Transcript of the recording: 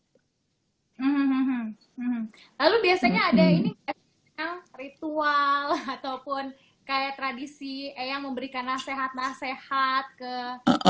lalu biasanya ada ini ritual ataupun kayak tradisi eh yang memberikan nasihat nasihat ke